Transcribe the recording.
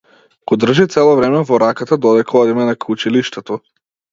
Го држи цело време во раката додека одиме накај училиштето.